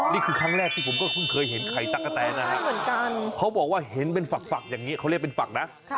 นี่คือครั้งแรกที่ผมก็เพิ่งเคยเห็นไข่ตะกะแตนนะฮะเขาบอกว่าเห็นเป็นฝักอย่างนี้เขาเรียกเป็นฝักนะ